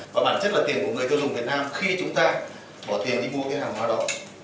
và bản chất là tiền của người tiêu dùng việt nam khi chúng ta bỏ tiền đi mua cái hàng hóa đó